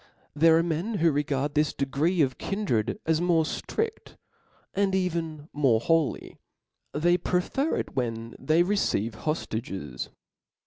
"There are men who regard this degree of kin *•* dred as more ftrid, and even more holy* They prefer it when they receive hoftages."